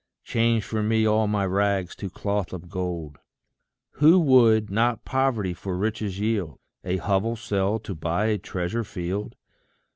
Change for me all my rags to cloth of gold. Who would not poverty for riches yield? A hovel sell to buy a treasure field?